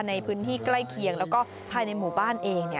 ในพื้นที่ใกล้เคียงแล้วก็ภายในหมู่บ้านเอง